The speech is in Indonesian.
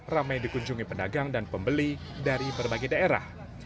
ramai dikunjungi pedagang dan pembeli dari berbagai daerah